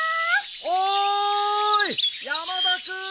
おーい山田君！